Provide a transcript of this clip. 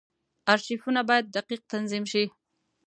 ارشیفونه باید دقیق تنظیم شي.